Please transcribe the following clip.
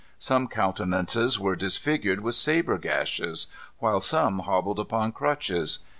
Some countenances were disfigured with sabre gashes; while some hobbled upon crutches.